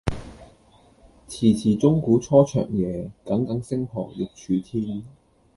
遲遲鐘鼓初長夜，耿耿星河欲曙天。